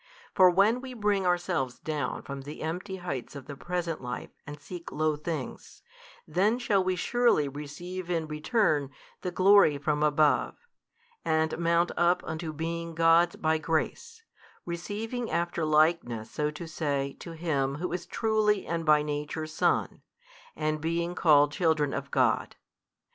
For when we bring ourselves down from the empty heights of the present life and seek low things, then shall we surely receive in return the glory from above, and mount up unto being gods by grace, receiving after likeness so to say to Him Who is truly and by Nature Son, the being called children of God.